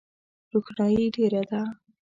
روښنایي ډېره ده .